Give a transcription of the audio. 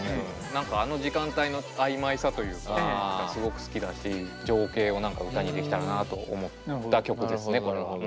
何かあの時間帯のあいまいさというかすごく好きだし情景を何か歌にできたらなと思った曲ですねこれは。